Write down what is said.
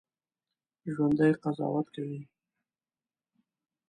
ژوندي قضاوت کوي